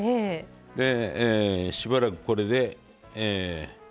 でしばらくこれで。